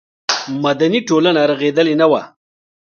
مدني ټولنه رغېدلې نه وه.